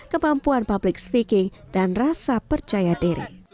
kemampuan public speaking dan rasa percaya diri